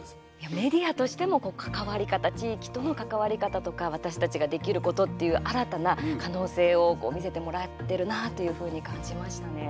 メディアとしても関わり方地域との関わり方とか、私たちができることっていう新たな可能性を見せてもらってるなというふうに感じましたね。